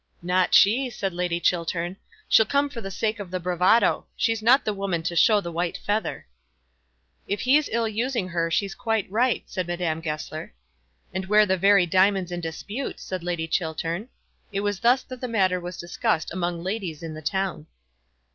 "Not she," said Lady Chiltern. "She'll come for the sake of the bravado. She's not the woman to show the white feather." "If he's ill using her she's quite right," said Madame Goesler. "And wear the very diamonds in dispute," said Lady Chiltern. It was thus that the matter was discussed among ladies in the town.